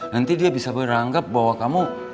nanti dia bisa beranggap bahwa kamu